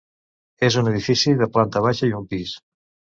És un edifici de planta baixa i un pis.